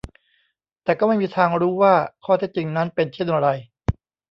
แต่ก็ไม่มีทางรู้ว่าข้อเท็จจริงนั้นเป็นเช่นไร